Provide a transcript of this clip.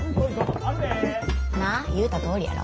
なあ言うたとおりやろ？